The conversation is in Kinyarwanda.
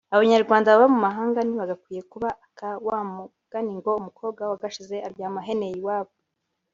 Abanyarwanda baba mu mahanga ntibakwiye kuba aka wa mugani ngo ”Umukobwa wagashize aryama aheneye iwabo”